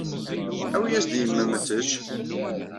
Awi-yas-d i yemma-m ad tečč.